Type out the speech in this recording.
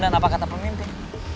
kenapa kata pemimpin